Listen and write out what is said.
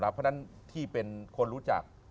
เพราะฉะนั้นที่เป็นคนรู้จัก